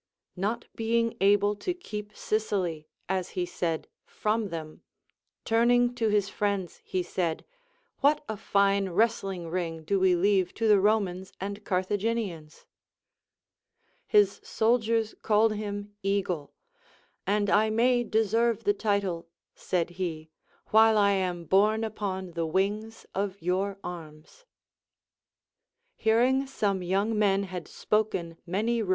Not being able to keep Sicily (as he said) from them, turning to his friends he said: A\^hat a fine wrestling ring do we leave to the Romans and Carthagi nians ! His soldiers called him Eagle ; And I may deserve the title, said he, while I am borne upon the wings of your arms. Hearing some young men had spoken many re.